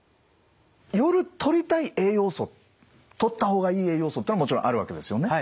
夜とりたい栄養素とった方がいい栄養素というのはもちろんあるわけですよね。